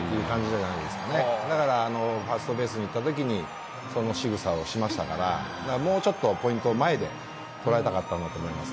だからファーストベースに行ったときにその仕草をしましたからもうちょっとポイントを前で捉えたかったんだと思います。